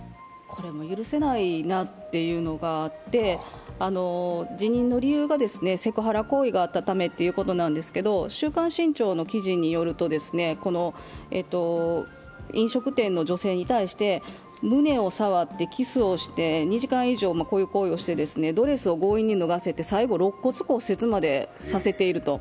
これも許せないなというのがあって、辞任の理由が、セクハラ行為があったためということなんですけど、「週刊新潮」の記事によると、飲食店の女性に対して胸を触ってキスをして、２時間以上、こういう行為をしてドレスを強引に脱がせて最後、ろっ骨骨折までさせている。